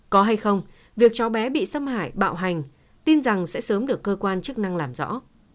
có hay không việc cháu bé bị xâm hại bạo hành tin rằng sẽ sớm được cơ quan chức năng làm rõ